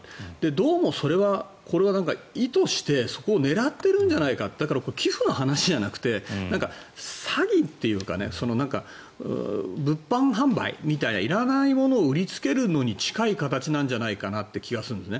どうもそれは、意図してそこを狙っているんじゃないかだからこれは寄付の話ではなくて詐欺というか物販販売みたいないらないものを売りつけるのに近い形ではという気がするんです。